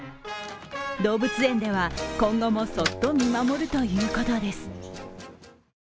動物園では、今後もそっと見守るということです。